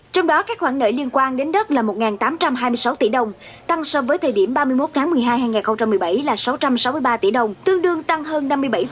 trong đó các khoản nợ liên quan đến đất là một tám trăm hai mươi sáu tỷ đồng tăng so với thời điểm ba mươi một tháng một mươi hai hai nghìn một mươi bảy là sáu trăm sáu mươi ba tỷ đồng tương đương tăng hơn năm mươi bảy